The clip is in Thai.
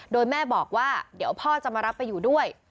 โดยแม่บอกว่าเดี๋ยวพ่อจะมารับไปอยู่ด้วย